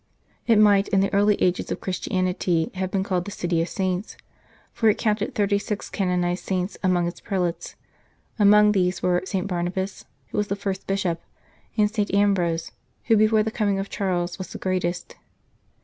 It might in the early ages of Christianity have been called the City of Saints, for it counted thirty six canonized saints among its prelates ; among these were St. Barnabas, who was the first Bishop, and St. Ambrose, who before the coming of Charles was the greatest.